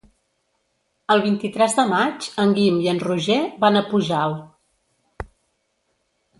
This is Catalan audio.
El vint-i-tres de maig en Guim i en Roger van a Pujalt.